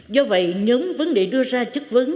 do vậy nhóm vấn đề đưa ra chất vấn